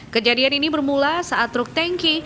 kejadian ini bermula saat truk tanki